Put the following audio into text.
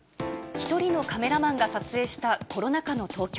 一人のカメラマンが撮影したコロナ禍の東京。